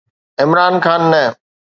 عمران خان نه.